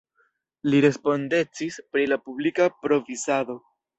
Li respondecis pri la publika provizado.